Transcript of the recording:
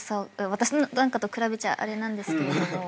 私なんかと比べちゃあれなんですけど。